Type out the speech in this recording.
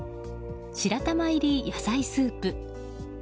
白玉入り野菜スープ。